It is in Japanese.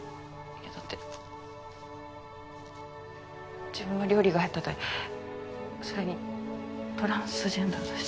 いやだって自分は料理が下手でそれにトランスジェンダーだし。